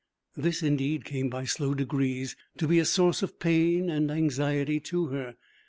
This indeed came by slow degrees to be a source of pain and anxiety to her.